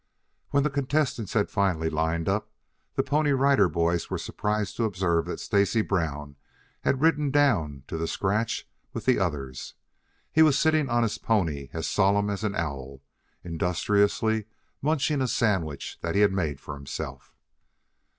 When the contestants had finally lined up, the Pony Rider Boys were surprised to observe that Stacy Brown had ridden down to the scratch with the others. He was sitting on his pony as solemn as an owl, industriously munching a sandwich that he had made for himself.